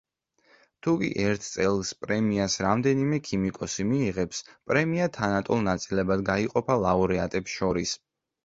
თუკი ერთ წელს პრემიას რამდენიმე ქიმიკოსი მიიღებს, პრემია თანატოლ ნაწილებად გაიყოფა ლაურეატებს შორის.